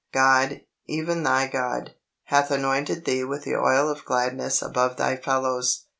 "God, even thy God, hath anointed thee with the oil of gladness above thy fellows."